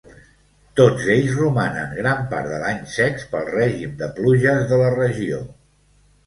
Tots ells romanen gran part de l'any secs pel règim de pluges de la regió.